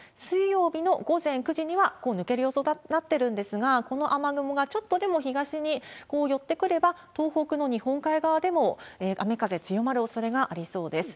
水曜日の午前９時には抜ける予想になってるんですが、この雨雲がちょっとでも東に寄ってくれば、東北の日本海側でも雨風強まるおそれがありそうです。